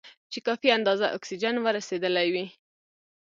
چې کافي اندازه اکسیجن ور رسېدلی وي.